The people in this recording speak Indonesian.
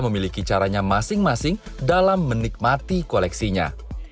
memiliki caranya masing masing dalam menikmati koleksinya